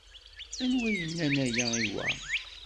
Anwa yenna-n aya i wa?